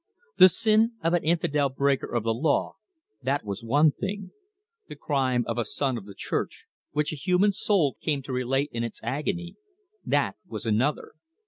The sin of an infidel breaker of the law, that was one thing; the crime of a son of the Church, which a human soul came to relate in its agony, that was another.